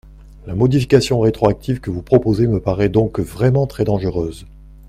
La modification rétroactive que vous proposez me paraît donc vraiment très dangereuse.